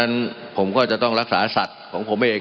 มันมีมาต่อเนื่องมีเหตุการณ์ที่ไม่เคยเกิดขึ้น